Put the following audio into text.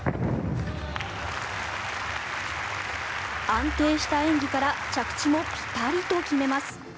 安定した演技から着地もピタリと決めます。